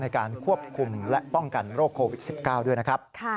ในการควบคุมและป้องกันโรคโควิด๑๙ด้วยนะครับ